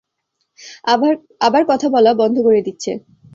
আবার কথা বন্ধ করে দিচ্ছে।